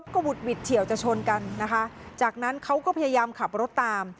ก็หุดหวิดเฉียวจะชนกันนะคะจากนั้นเขาก็พยายามขับรถตาม